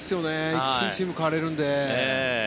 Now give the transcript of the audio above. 一気にチーム、変われるので。